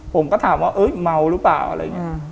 ผมก็ถามว่าเมาหรือเปล่าอะไรอย่างนี้